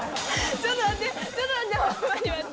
ちょっと待って。